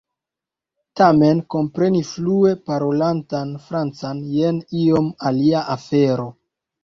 Tamen kompreni flue parolatan Francan jen iom alia afero.